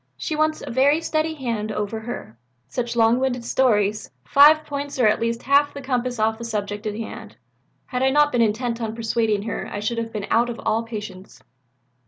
She wants a very steady hand over her. Such long winded stories 5 points or at least half the compass off the subject in hand. Had I not been intent on persuading her I should have been out of all patience."